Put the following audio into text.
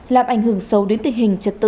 làm ảnh hưởng sâu đến tình hình trật tự